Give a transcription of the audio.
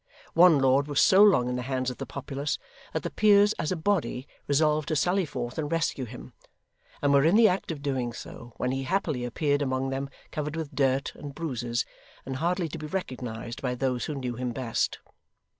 One lord was so long in the hands of the populace, that the Peers as a body resolved to sally forth and rescue him, and were in the act of doing so, when he happily appeared among them covered with dirt and bruises, and hardly to be recognised by those who knew him best.